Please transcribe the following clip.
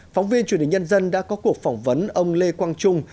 phóng viên truyền hình nhân dân đã có cuộc phỏng vấn ông lê quang trung